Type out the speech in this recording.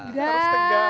kita harus tegak